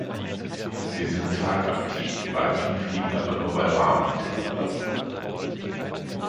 Sie sind tagaktiv, die Weibchen fliegen aber nur bei warmen Temperaturen.